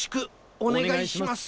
おねがいします。